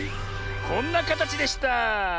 こんなかたちでした。